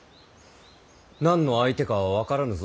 何の相手かは分からぬぞ。